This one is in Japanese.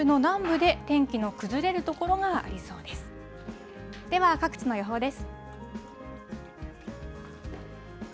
では、各地の予報です。